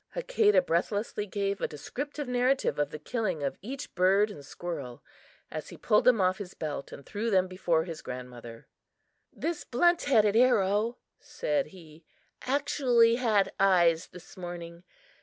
Hakadah breathlessly gave a descriptive narrative of the killing of each bird and squirrel as he pulled them off his belt and threw them before his grandmother. "This blunt headed arrow," said he, "actually had eyes this morning.